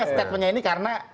stapennya ini karena